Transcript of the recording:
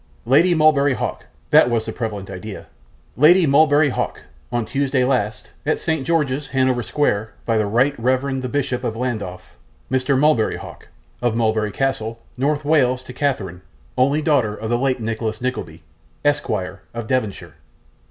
Lady Mulberry Hawk that was the prevalent idea. Lady Mulberry Hawk! On Tuesday last, at St George's, Hanover Square, by the Right Reverend the Bishop of Llandaff, Sir Mulberry Hawk, of Mulberry Castle, North Wales, to Catherine, only daughter of the late Nicholas Nickleby, Esquire, of Devonshire.